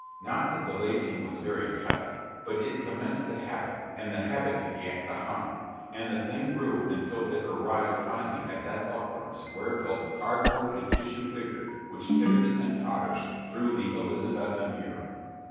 Not that the lacing was very tight, but it commenced the habit, and the habit begat the harm, and the thing grew until it arrived finally at that buckram, square built, cardboard and tissue figure which titters and totters through the Elizabethan era.